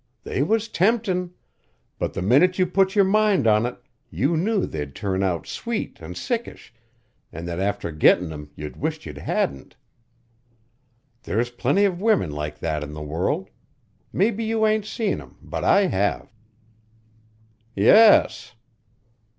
They was temptin'! But the minute you put your mind on it you knew they'd turn out sweet and sickish, an' that after gettin' 'em you'd wish you hadn't. There's plenty of women like that in the world. Mebbe you ain't seen 'em, but I have." "Yes."